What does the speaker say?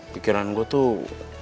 pikiran gue tuh